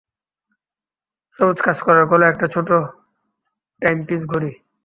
সবুজ কাঁচকড়ার খোলে একটা ছোট টাইমপিস ঘড়ি।